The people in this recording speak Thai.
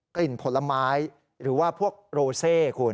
ผลไม้หรือว่าพวกโรเซคุณ